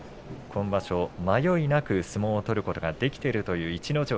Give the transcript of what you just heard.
今場所、迷いなく相撲を取ることができているという逸ノ城。